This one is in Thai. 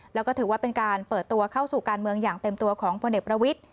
แล้วก็ถือว่าเป็นการเปิดตัวเข้าสู่การเมืองอย่างเต็มตัวของพลเอกประวิทธิ